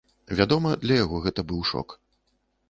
Вядома, для яго гэта быў шок.